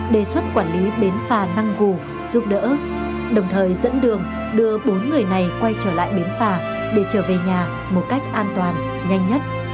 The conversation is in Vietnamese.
đề xuất quản lý bến phà năng gù giúp đỡ đồng thời dẫn đường đưa bốn người này quay trở lại bến phà để trở về nhà một cách an toàn nhanh nhất